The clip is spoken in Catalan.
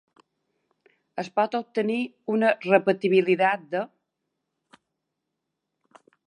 Es pot obtenir una repetibilitat de.